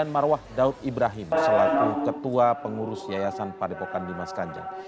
marwah daud ibrahim selaku ketua pengurus yayasan padepokan dimas kanjeng